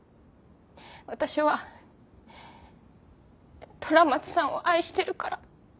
私は虎松さんを愛してるから。